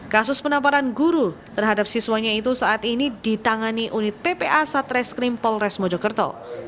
kasus penamparan guru terhadap siswanya itu saat ini ditangani unit ppa satreskrim polres mojokerto